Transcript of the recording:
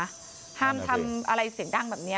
ห้ามทำอะไรเสียงดังแบบนี้